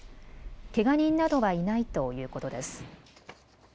けが人などはいないということです。